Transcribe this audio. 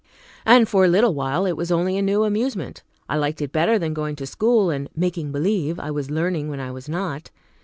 And for a little while it was only a new amusement; I liked it better than going to school and "making believe" I was learning when I was not.